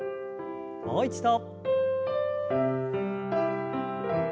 もう一度。